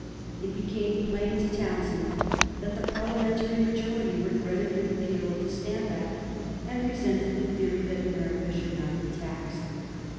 It became plain to Townshend that the Parliamentary majority regretted the repeal of the Stamp Act and resented the theory that America should not be taxed.